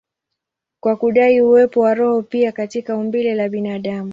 kwa kudai uwepo wa roho pia katika umbile la binadamu.